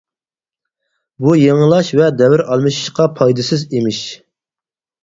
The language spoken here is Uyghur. بۇ يېڭىلاش ۋە دەۋر ئالمىشىشقا پايدىسىز ئىمىش.